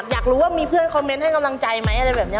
อยากรู้ว่ามีเพื่อนคอมเมนต์ให้กำลังใจไหมอะไรแบบนี้